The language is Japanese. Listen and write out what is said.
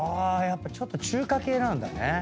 ちょっと中華系なんだね。